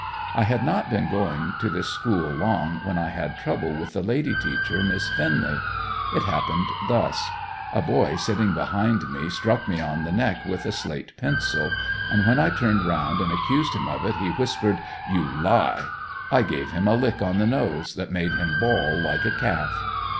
I had not been going to this school long when I had trouble with the lady teacher, Miss Finnely. It happened thus: A boy sitting behind me, struck me on the neck with a slate pencil, and when I turned around and accused him of it he whispered, "you lie." I gave him a lick on the nose that made him bawl like a calf.